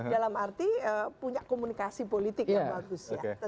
dalam arti punya komunikasi politik yang bagus ya